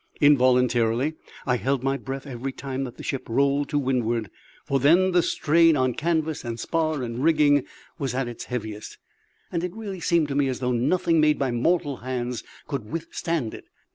Involuntarily I held my breath every time that the ship rolled to windward; for then the strain on canvas and spar and rigging was at its heaviest, and it really seemed to me as though nothing made by mortal hands could withstand it.